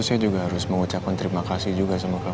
saya juga harus mengucapkan terima kasih juga sama kakak